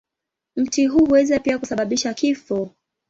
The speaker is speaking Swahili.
Mti huu huweza pia kusababisha kifo.